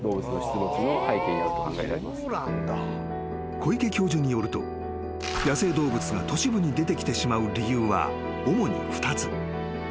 ［小池教授によると野生動物が都市部に出てきてしまう理由は主に２つ］